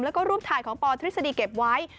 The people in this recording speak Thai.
แล้วก็รูปถ่ายของปทฤษฎีเก็บไว้